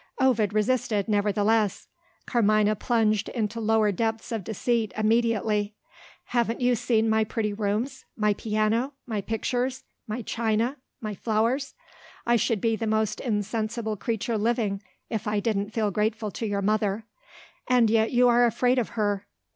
Ovid resisted, nevertheless. Carmina plunged into lower depths of deceit immediately. "Haven't you seen my pretty rooms my piano my pictures my china my flowers? I should be the most insensible creature living if I didn't feel grateful to your mother." "And yet, you are afraid of her."